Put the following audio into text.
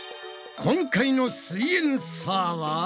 今回の「すイエんサー」は？